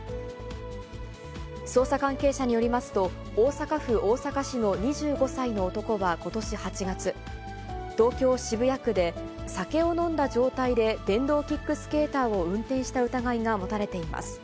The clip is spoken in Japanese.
捜査関係者によりますと、大阪府大阪市の２５歳の男はことし８月、東京・渋谷区で、酒を飲んだ状態で電動キックスケーターを運転した疑いが持たれています。